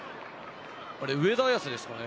上田綺世ですかね。